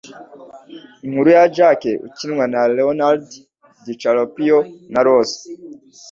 Inkuru ya Jack ukinwa na Leonardo DiCaprio na Rose